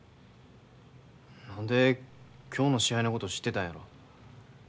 何で今日の試合のこと知ってたんやろ。